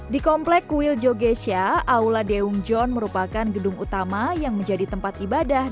di komplek kuil jogesia aula deung john merupakan gedung utama yang menjadi tempat ibadah